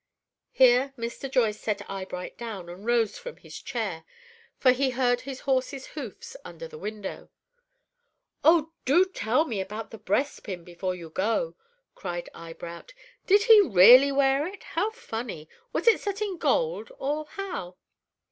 Here Mr. Joyce set Eyebright down, and rose from his chair, for he heard his horse's hoofs under the window. "Oh, do tell me about the breast pin before you go!" cried Eyebright. "Did he really wear it? How funny! Was it set in gold, or how?"